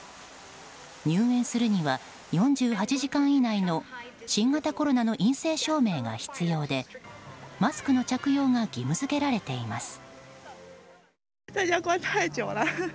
入園するには、４８時間以内の新型コロナの陰性証明が必要でマスクの着用が義務付けられています。